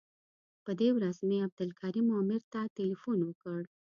په دې ورځ مې عبدالکریم عامر ته تیلفون وکړ.